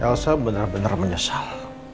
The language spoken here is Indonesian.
elsa benar benar menyesal